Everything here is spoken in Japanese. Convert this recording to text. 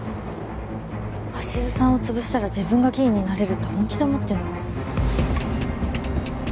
鷲津さんを潰したら自分が議員になれるって本気で思ってんのかな？